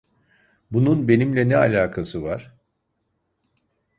Bunun benimle ne alakası var?